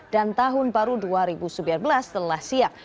dan tahun baru dua ribu sembilan belas telah siap